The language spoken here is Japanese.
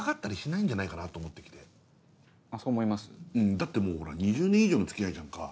だってもうほら２０年以上の付き合いじゃんか。